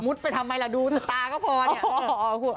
มุดไปทำไมล่ะดูตราก็พอ